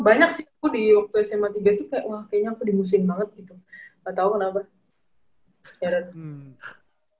banyak sih aku di waktu sma tiga tuh